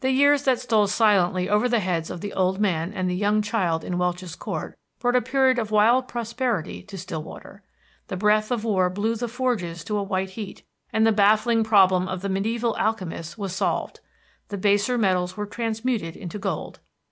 The years that stole silently over the heads of the old man and the young child in Welch's Court brought a period of wild prosperity to Stillwater. The breath of war blew the forges to a white heat, and the baffling problem of the mediæval alchemists was solved. The baser metals were transmuted into gold.